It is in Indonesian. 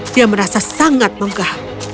dia merasa sangat mongkah